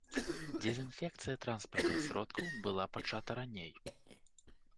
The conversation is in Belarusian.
Дэзінфекцыя транспартных сродкаў была пачата раней.